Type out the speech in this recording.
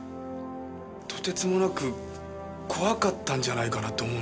とてつもなく怖かったんじゃないかなと思うんです。